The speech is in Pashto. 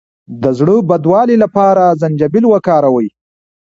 د زړه بدوالي لپاره زنجبیل وکاروئ